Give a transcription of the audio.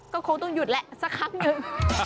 ก็คงต้องหยุดแหละสักครั้งหนึ่ง